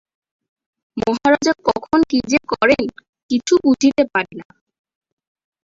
মহারাজা কখন কি যে করেন, কিছু বুঝিতে পারি না।